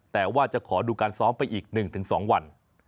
แต่ว่าจะขอดูการซ้อมไปอีก๑๒วัน